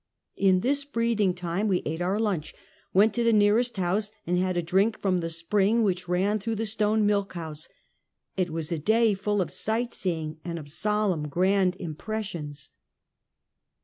In this breathing time we ate our lunch, went to the nearest house and had a drink from the spring which ran through the stone milk house. It M^as a day full of sight seeing and of solemn, grand impressions.